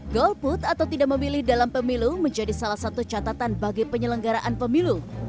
golput atau tidak memilih dalam pemilu menjadi salah satu catatan bagi penyelenggaraan pemilu